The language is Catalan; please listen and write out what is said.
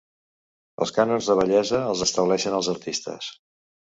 Els cànons de bellesa els estableixen els artistes.